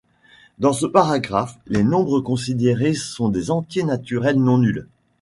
Dans ce paragraphe, les nombres considérés sont des entiers naturels non nuls.